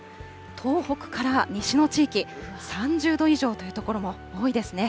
東北から西の地域、３０度以上という所も多いですね。